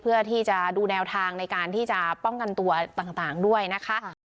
เพื่อที่จะดูแนวทางในการที่จะป้องกันตัวต่างด้วยนะคะ